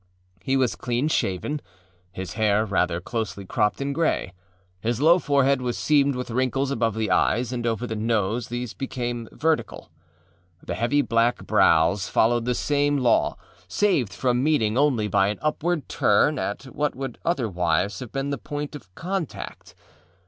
He was clean shaven, his hair rather closely cropped and gray. His low forehead was seamed with wrinkles above the eyes, and over the nose these became vertical. The heavy black brows followed the same law, saved from meeting only by an upward turn at what would otherwise have been the point of contact.